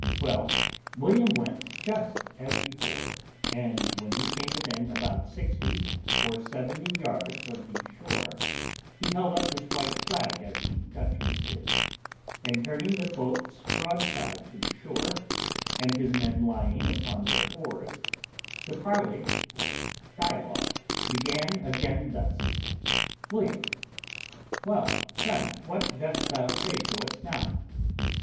Well, William went just as before, and when he came within about sixty or seventy yards of the shore, he held up his white flag as the Dutchman did, and turning the boat's broadside to the shore, and his men lying upon their oars, the parley or dialogue began again thus: William. Well, friend, what dost thou say to us now?